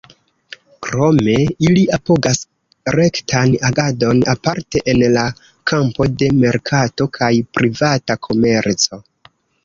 Krome, ili apogas rektan agadon, aparte en la kampo de merkato kaj privata komerco.